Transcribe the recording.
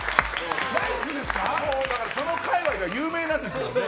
その界隈では有名なんですよね。